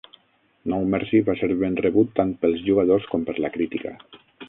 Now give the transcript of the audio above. "No Mercy" va ser ben rebut tant pels jugadors com per la crítica.